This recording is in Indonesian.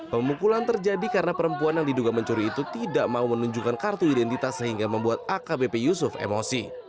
pemukulan terjadi karena perempuan yang diduga mencuri itu tidak mau menunjukkan kartu identitas sehingga membuat akbp yusuf emosi